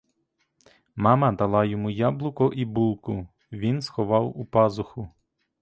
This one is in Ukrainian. Мама дала йому яблуко і булку, він сховав у пазуху.